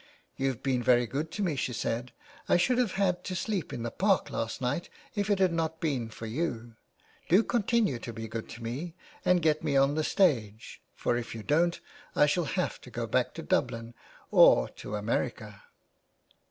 * You've been very good to me,' she said, ' I should have had to sleep in the Park last night if it had not been for you. Do continue to be good to me and get me on the stage, for if you don't I shall have to go back to Dublin or to America.'